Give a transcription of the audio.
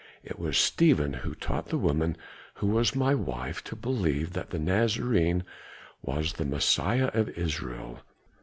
It was Stephen who taught the woman who was my wife to believe that the Nazarene was the Messiah of Israel.